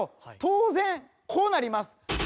当然こうなります。